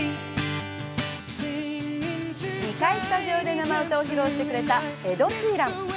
２回、スタジオで生歌を披露してくれたエド・シーラン。